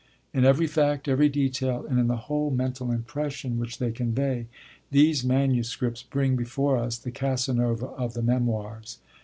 In every fact, every detail, and in the whole mental impression which they convey, these manuscripts bring before us the Casanova of the Memoirs.